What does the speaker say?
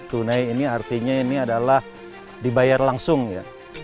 tunai ini artinya ini adalah dibayar langsung ya